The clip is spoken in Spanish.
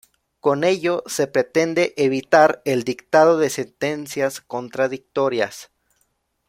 Con ello se pretende evitar el dictado de sentencias contradictorias.